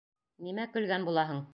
Нимә көлгән булаһың?